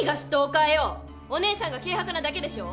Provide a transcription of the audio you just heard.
お姉さんが軽薄なだけでしょ！